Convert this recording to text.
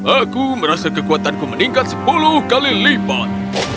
aku merasa kekuatanku meningkat sepuluh kali lipat